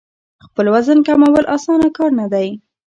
خپل وزن کمول اسانه کار نه دی.